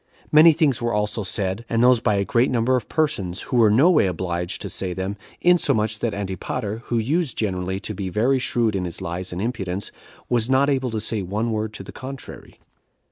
Many things were also said, and those by a great number of persons, who were no way obliged to say them, insomuch that Antipater, who used generally to be very shrewd in his lies and impudence, was not able to say one word to the contrary.